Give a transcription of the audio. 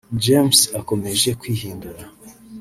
James akomeje kwihindura